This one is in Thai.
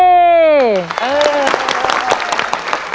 เออ